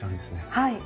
はい。